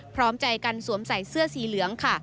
พร้อมใจกันสวมใส่เสื้อสีเหลืองค่ะ